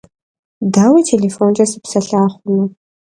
Daue têlêfonç'e sıpselha xhunu?